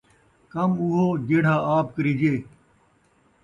کم اوہو جیڑھا آپ کریجے